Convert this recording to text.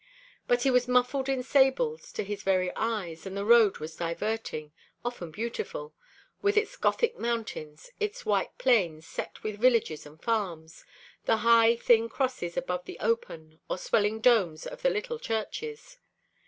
But he was muffled in sables to his very eyes, and the road was diverting, often beautiful, with its Gothic mountains, its white plains set with villages and farms, the high thin crosses above the open or swelling domes of the little churches.